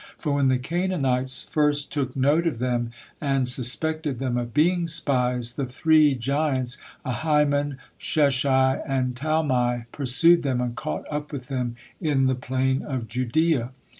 For when the Canaanites first took note of them and suspected them of being spies, the three giants, Ahiman, Sheshai, and Talmai pursued them and caught up with them in the plain of Judea.